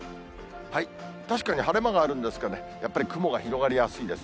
確かに晴れ間があるんですがね、やっぱり雲が広がりやすいです。